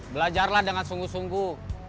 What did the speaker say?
belajarlah dengan sungguh sungguh